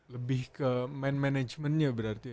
lebih ke main managementnya berarti ya